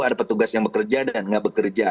ada petugas yang bekerja dan nggak bekerja